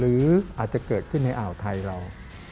หรืออาจจะเกิดขึ้นในอ่าวไทยเรา